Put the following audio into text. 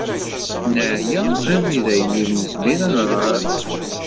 Neɛya armi dayen ur nezmir ad nɣer.